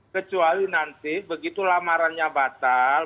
kecuali nanti begitu lamarannya batal